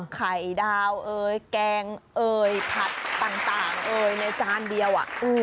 ไข่ดาวเกงผัดต่างในจานเดียว